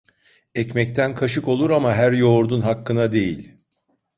Ekmekten kaşık olur ama her yoğurdun hakkına değil.